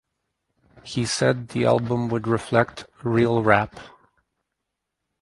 He said the album would reflect "real rap".